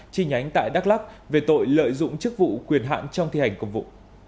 chi nhánh tại đắk lắc về tội lợi dụng chức vụ quyền hạn trong thi hành công vụ